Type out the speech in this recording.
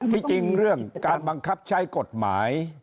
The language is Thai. ที่จริงเรื่องการบังคับใช้กฎหมาย